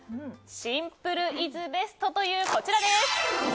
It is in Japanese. シンプルイズベストというこちらです。